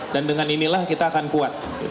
dan dengan inilah kita akan kuat